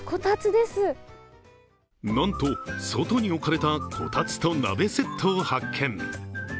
なんと外に置かれたこたつと鍋セットを発見。